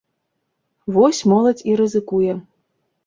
Вось моладзь і рызыкуе.